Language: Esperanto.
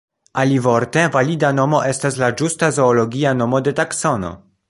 Alivorte: valida nomo estas la ĝusta zoologia nomo de taksono.